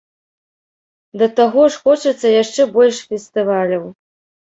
Да таго ж, хочацца яшчэ больш фестываляў.